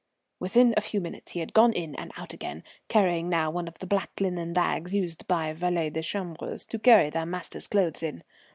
Within a few minutes he had gone in and out again, carrying now one of the black linen bags used by valets de chambres to carry their masters' clothes in.